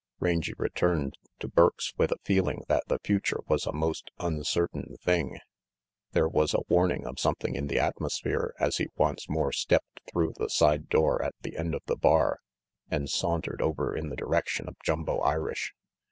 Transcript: Rangy returned to Burke's with a feeling that the future was a most uncertain thing. There was a warning of something in the atmosphere as he once more stepped through the side door at the end of the bar and sauntered over in the direction of Jumbo Irish.